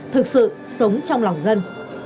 thực sự sống trong lòng dân